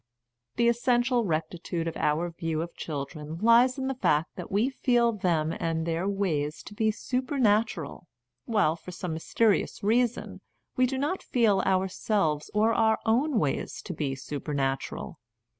The essential rectitude of our view of children lies in the fact that we feel them and their ways to be supernatural while, for some mysterious reason, we do not feel our selves or our own ways to be supernatural.